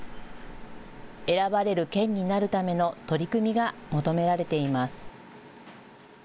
選ばれる県になるための取り組みが求められています。